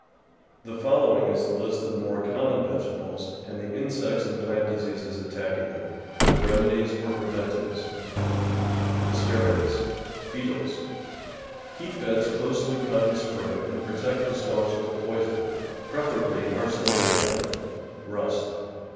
The following is a list of the more common vege THE GARDEN'S ENEMIES tables and the insects and plant diseases attacking them, with remedies or preventives: Asparagus. — Beetles. — Keep beds closely cut in spring and protect the stalks with poison, prefer ably arsenate of lead. Rust.